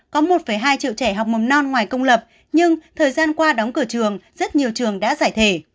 có một hai triệu trẻ học mầm non ngoài công lập nhưng thời gian qua đóng cửa trường rất nhiều trường đã giải thể